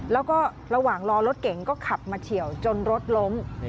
แล้วก็ระหว่างรอรถเก่งก็ขับมาเฉียวจนรถล้ม